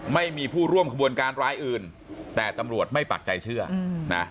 ไม่มีผู้ร่วมขบวนการร้ายอื่นแต่ตำรวจไม่ปักใจเชื่อนะ